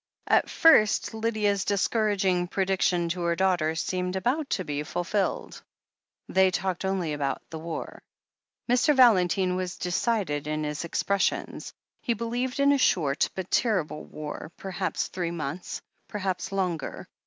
At first Lydia' s discouraging prediction to her daughter seemed about to be fulfilled. They talked only about the war. Mr. Valentine was decided in his expressions. He believed in a short but terrible war — ^perhaps three months, perhaps longer.